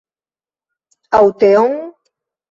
Aŭ teon?